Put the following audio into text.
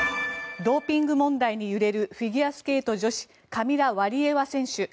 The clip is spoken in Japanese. ドーピング問題に揺れるフィギュアスケート女子カミラ・ワリエワ選手。